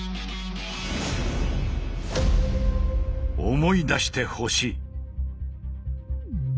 思い出してほしい。